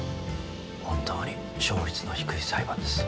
本当に勝率の低い裁判です。